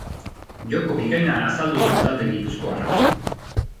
Joko bikaina azaldu du talde gipuzkoarrak.